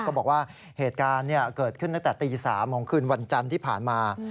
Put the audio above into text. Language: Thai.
บอกว่าเหตุการณ์เกิดขึ้นตั้งแต่ตี๓ของคืนวันจันทร์ที่ผ่านมา